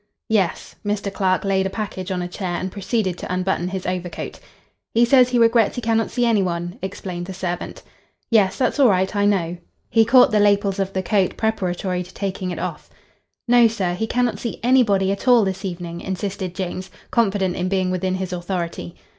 "Yes." Mr. Clark laid a package on a chair and proceeded to unbutton his overcoat. "He says he regrets he cannot see any one," explained the servant. "Yes. That's all right. I know." He caught the lapels of the coat preparatory to taking it off. "No, sir. He cannot see anybody at all this evening," insisted James, confident in being within his authority.